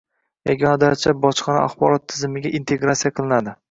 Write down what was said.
«Yagona darcha» bojxona axborot tizimiga integratsiya qilinadi;